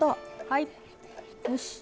はい。